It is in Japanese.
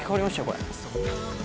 これ。